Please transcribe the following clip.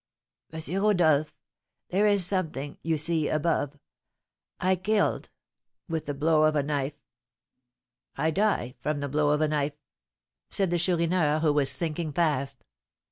"M. Rodolph, there is something, you see, above I killed with a blow of a knife I die from the blow of a knife!" said the Chourineur, who was sinking fast.